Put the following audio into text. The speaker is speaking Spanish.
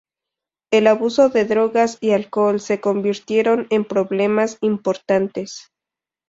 El abuso de drogas y alcohol se convirtieron en problemas importantes.